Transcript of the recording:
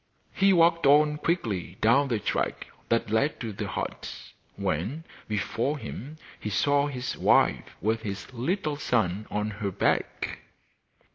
He walked on quickly down the track that led to the hut, when, before him, he saw his wife with his little son on her back.